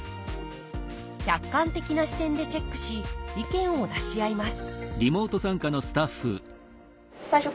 客観的な視点でチェックし意見を出し合います